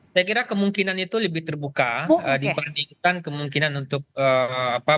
saya kira kemungkinan itu lebih terbuka dibandingkan kemungkinan untuk apa